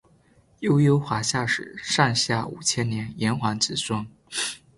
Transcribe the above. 悠悠华夏史上下五千年炎黄子孙